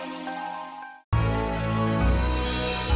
dibilangin kok lo pada begitu